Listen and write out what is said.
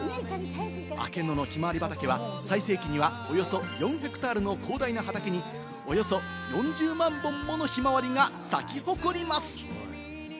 明野のひまわり畑は最盛期にはおよそ４ヘクタールの広大な畑におよそ４０万本ものひまわりが咲き誇ります。